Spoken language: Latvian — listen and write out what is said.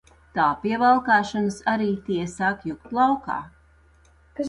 Tā pie valkāšanas arī tie sāk jukt laukā.